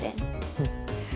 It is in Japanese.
うん。